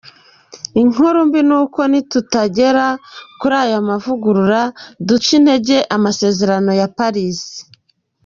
Inkuru mbi ni uko nitutagera kuri aya mavugurura, duca intege amasezerano ya Paris.